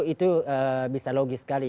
itu bisa logis sekali